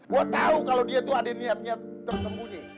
gua tau kalo dia tuh ada niatnya tersembunyi